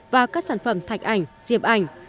và các sản phẩm thạch ảnh diệp ảnh